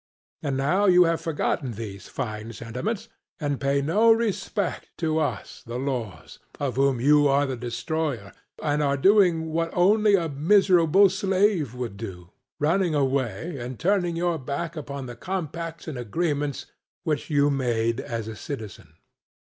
And now you have forgotten these fine sentiments, and pay no respect to us the laws, of whom you are the destroyer; and are doing what only a miserable slave would do, running away and turning your back upon the compacts and agreements which you made as a citizen.